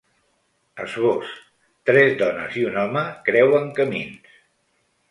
Esbós: Tres dones i un home creuen camins.